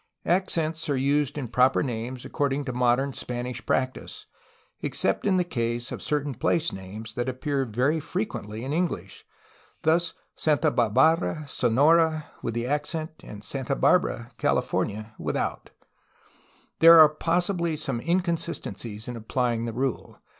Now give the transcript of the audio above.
Accents are used in proper names according to modern Spanish practice, except in the case of certain place names that appear very frequently in English. Thus, "Santa Bar bara," Sonora, with the accent, and "Santa Barbara," Cali Vm PREFACE fornia, without. There are possibly some inconsistencies in applying this rule.